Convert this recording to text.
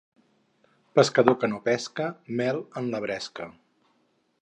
Pescador que no pesca, mel en la bresca.